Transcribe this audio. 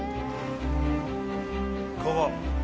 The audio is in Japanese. ここ。